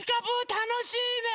たのしいね。